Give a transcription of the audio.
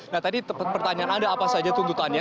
nah tadi pertanyaan anda apa saja tuntutannya